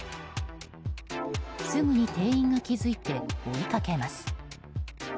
すぐに店員が気付いて追いかけます。